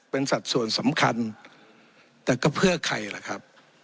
เป็นสัดส่วนสำคัญแต่ก็เพื่อใครล่ะครับ